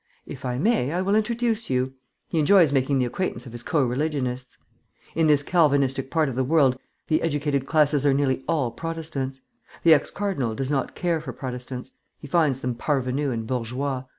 If I may, I will introduce you. He enjoys making the acquaintance of his co religionists. In this Calvinistic part of the world the educated classes are nearly all Protestants. The ex cardinal does not care for Protestants; he finds them parvenus and bourgeois.